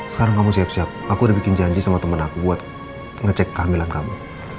sekarang kamu siap siap aku udah bikin janji sama temen aku buat ngecek kehamilan kamu